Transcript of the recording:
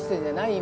今。